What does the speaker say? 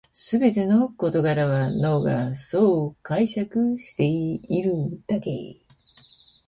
すべての事柄は脳がそう解釈しているだけ